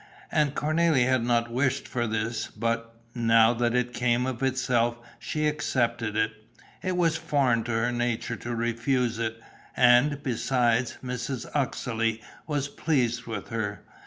And Cornélie had not wished for this; but, now that it came of itself, she accepted it. It was foreign to her nature to refuse it. And, besides, Mrs. Uxeley was pleased with her.